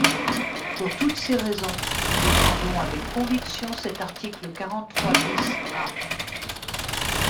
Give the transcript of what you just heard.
Pour toutes ces raisons, nous défendons avec conviction cet article quarante-trois bis A.